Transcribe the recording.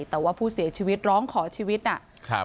แต่ว่าผู้เสียชีวิตร้องขอชีวิตนะครับ